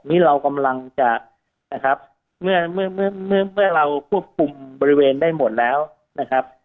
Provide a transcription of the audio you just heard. นี่เรากำลังจะนะครับเมื่อเมื่อเราควบคุมบริเวณได้หมดแล้วนะครับ